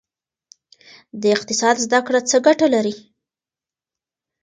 د اقتصاد زده کړه څه ګټه لري؟